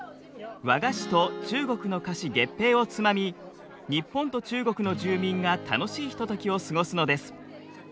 和菓子と中国の菓子月餅をつまみ日本と中国の住民が楽しいひとときを過ごすのです。